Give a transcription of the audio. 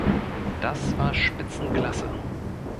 Das war Spitzenklasse.